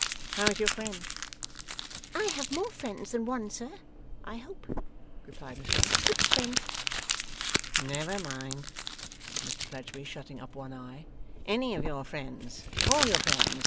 How's your friend?' 'I have more friends than one, sir, I hope,' replied Miss Wren. 'Which friend?' 'Never mind,' said Mr Fledgeby, shutting up one eye, 'any of your friends, all your friends.